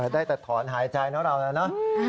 ได้แต่ถอนหายใจนะเรา